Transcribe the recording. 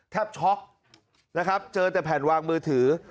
ช็อกนะครับเจอแต่แผ่นวางมือถือ